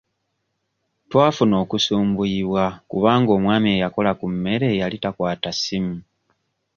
Twafuna okusumbuyibwa kubanga omwami eyakola ku mmere yali takwata ssimu.